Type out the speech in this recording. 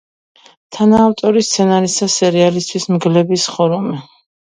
თანაავტორი სცენარისა სერიალისთვის „მგლების ხორუმი“.